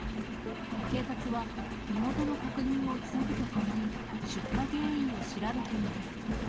警察は身元の確認を急ぐとともに、出火原因を調べています。